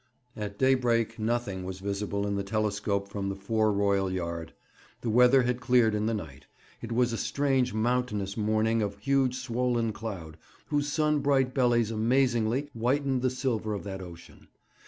At daybreak nothing was visible in the telescope from the fore royal yard. The weather had cleared in the night. It was a strange, mountainous morning of huge swollen cloud, whose sun bright bellies amazingly whitened the silver of that ocean.